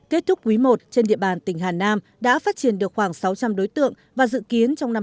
kết thúc quý i trên địa bàn tỉnh hà nam đã phát triển được khoảng sáu trăm linh đối tượng và dự kiến trong năm hai nghìn hai mươi